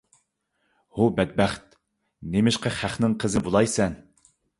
ھۇ بەتبەخت، نېمىشقا خەقنىڭ قىزىنى بۇلايسەن؟